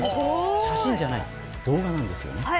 写真じゃない、動画なんです。